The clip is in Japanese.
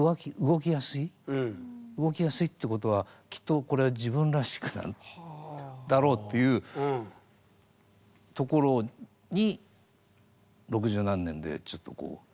動きやすいってことはきっとこれは自分らしくなんだろうっていうところに六十何年でちょっとこう。